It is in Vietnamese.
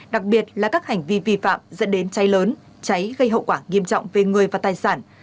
đặc biệt là các hành vi vi phạm dẫn đến cháy lớn cháy gây hậu quả nghiêm trọng về người và tài sản